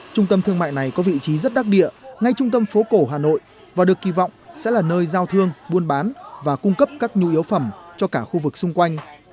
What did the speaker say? trung tâm thương mại này có vị trí rất đắc địa ngay trung tâm phố cổ hà nội và được kỳ vọng sẽ là nơi giao thương buôn bán và cung cấp các nhu yếu phẩm cho cả khu vực xung quanh